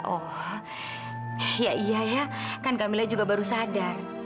oh ya iya ya kan kamilah juga baru sadar